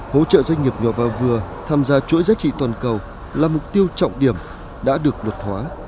hỗ trợ doanh nghiệp nhỏ và vừa tham gia chuỗi giá trị toàn cầu là mục tiêu trọng điểm đã được luật hóa